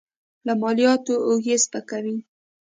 له مالیاتو اوږې سپکوي.